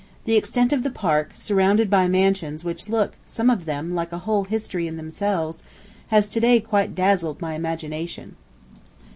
The extent of the Park, surrounded by mansions which look, some of them, like a whole history in themselves, has to day quite dazzled my imagination.